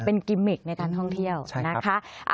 เป็นกิมมิกในการท่องเที่ยวนะคะ